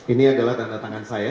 ini adalah tanda tangan saya